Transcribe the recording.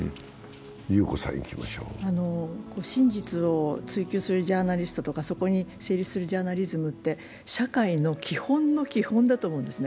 真実を追求するジャーナリストとかそこに成立するジャーナリズムって社会の基本の基本だと思うんですね。